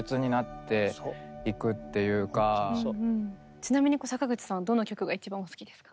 ちなみに坂口さんはどの曲が一番お好きですか？